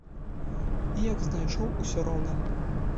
І як знайшоў усё роўна.